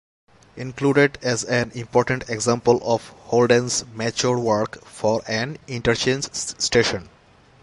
Included as an important example of Holden's mature work for an interchange station.